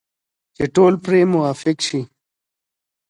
چې ټول دې پرې موافق شي.